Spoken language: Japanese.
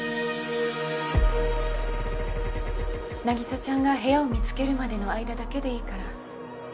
凪沙ちゃんが部屋を見つけるまでの間だけでいいから。